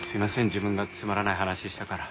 自分がつまらない話したから。